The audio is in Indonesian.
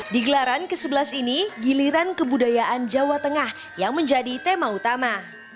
di gelaran ke sebelas ini giliran kebudayaan jawa tengah yang menjadi tema utama